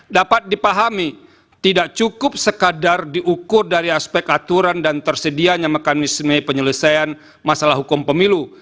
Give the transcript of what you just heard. dapat dipahami tidak cukup sekadar diukur dari aspek aturan dan tersedianya mekanisme penyelesaian masalah hukum pemilu